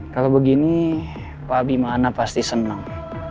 kalau begini pak bimana pasti senang